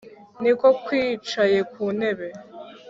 ni ko kwicaye ku ntebe